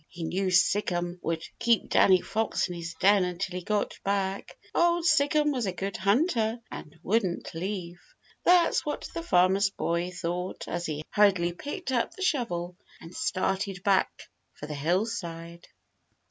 He knew Sic'em would keep Danny Fox in his den until he got back. Old Sic'em was a good hunter and wouldn't leave. That's what the Farmer's Boy thought as he hurriedly picked up the shovel and started back for the hillside.